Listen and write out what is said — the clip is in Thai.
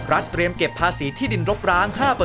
เตรียมเก็บภาษีที่ดินรกร้าง๕